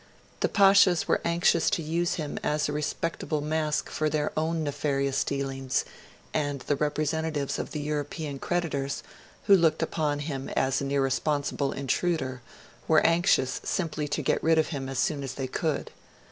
The Pashas were anxious to use him as a respectable mask for their own nefarious dealings; and the representatives of the European creditors, who looked upon him as an irresponsible intruder, were anxious simply to get rid of him as soon as they could.